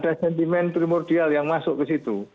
karena memang ada sentimen primordial yang masuk ke situ